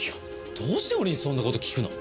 どうして俺にそんな事訊くの？